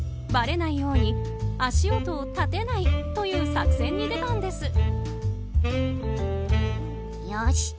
ばれないように足音を立てないという作戦に出たんです。